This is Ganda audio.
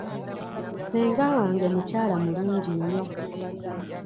Ssenga wange mukyala mulungi nnyo.